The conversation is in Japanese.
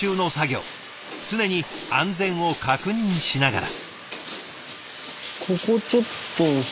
常に安全を確認しながら。